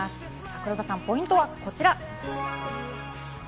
黒田さん、ポイントはこちら。